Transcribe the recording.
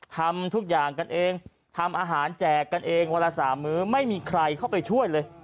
ทำทุกอย่างกันเองทำอาหารแจกกันเองวันละ๓มื้อไม่มีใครเข้าไปช่วยเลย